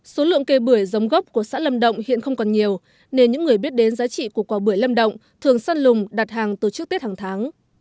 số lượng cây bưởi giống gốc của xã lâm động hiện không còn nhiều nên những người biết đến giá trị của quả bưởi lâm động thường săn lùng đặt hàng từ trước tết hàng tháng